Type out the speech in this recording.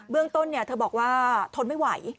เรื่องต้นเธอบอกว่าทนไม่ไหว